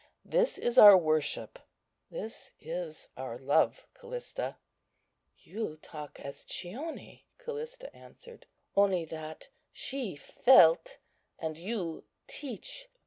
This is our Worship, this is our Love, Callista." "You talk as Chione," Callista answered; "only that she felt, and you teach.